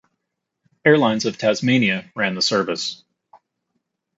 Airlines of Tasmania ran the service.